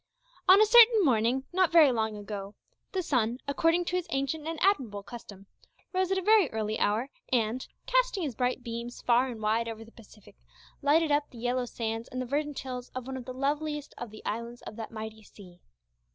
On a certain morning, not very long ago, the sun, according to his ancient and admirable custom, rose at a very early hour, and casting his bright beams far and wide over the Pacific, lighted up the yellow sands and the verdant hills of one of the loveliest of the islands of that mighty sea.